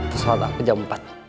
terus sholat aku jam empat